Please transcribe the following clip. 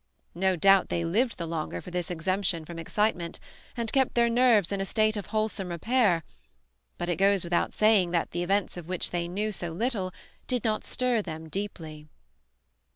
No doubt they lived the longer for this exemption from excitement, and kept their nerves in a state of wholesome repair; but it goes without saying that the events of which they knew so little did not stir them deeply.